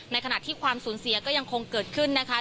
ขณะที่ความสูญเสียก็ยังคงเกิดขึ้นนะคะ